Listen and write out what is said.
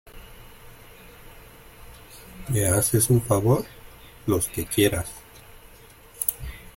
¿ me haces un favor? los que quieras.